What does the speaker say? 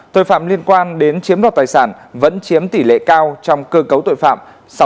tội phạm liên quan đến chiếm đọt tài sản vẫn chiếm tỷ lệ cao trong cơ cấu tội phạm sáu mươi tám năm